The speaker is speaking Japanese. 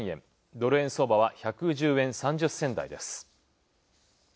ドル円相場は、１１０円３０銭台です。